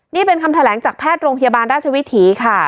นี่เป็นคำแถลงจากแพทย์โรงพยาบาลราชวิถีค่ะ